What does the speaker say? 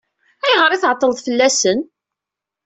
Ayɣer i tɛeṭṭleḍ fell-asen?